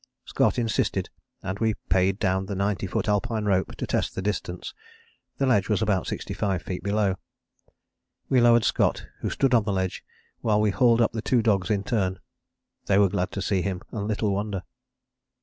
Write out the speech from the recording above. Scott insisted, and we paid down the 90 foot Alpine rope to test the distance. The ledge was about 65 feet below. We lowered Scott, who stood on the ledge while we hauled up the two dogs in turn. They were glad to see him, and little wonder!